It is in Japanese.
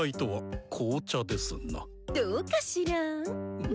どうかしら？